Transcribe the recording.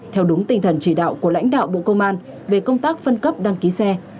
theo đúng tinh thần chỉ đạo của lãnh đạo bộ công an về công tác phân cấp đăng ký xe